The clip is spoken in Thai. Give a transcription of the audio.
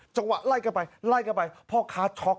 จังหวะไล่กันไปไล่กันไปพ่อค้าช็อก